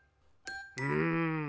うん。